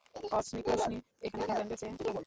Cosmic রশ্মি এখানে ইংল্যান্ডের চেয়ে প্রবল।